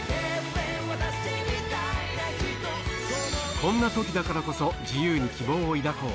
こんな時だからこそ自由に希望を抱こう！